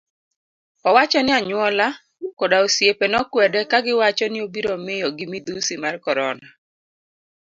Owacho ni anyuola koda osiepe nokwede kagiwacho ni obiro miyo gi midhusi mar korona.